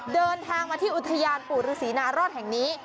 เดินทางมาที่อุทยานปู่ฤษีนารอดแห่งนี้